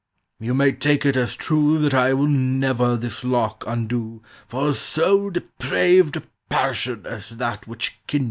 "You may take it as true That I will never this lock undo For so depraved A passion as that which kindles you."